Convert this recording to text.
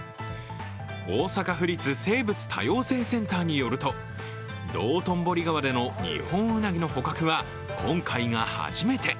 大阪府立生物多様性センターによると道頓堀川でのニホンウナギの捕獲は今回が初めて。